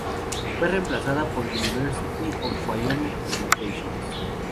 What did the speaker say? Fue reemplazada por "University of Wyoming Publications".